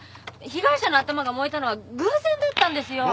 被害者の頭が燃えたのは偶然だったんですよ！